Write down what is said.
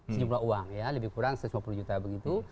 sejumlah uang ya lebih kurang satu ratus lima puluh juta begitu